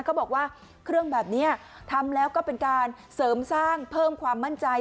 เขาบอกว่าเครื่องแบบนี้ทำแล้วก็เป็นการเสริมสร้างเพิ่มความมั่นใจ